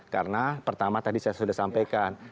karena pertama tadi saya sudah sampaikan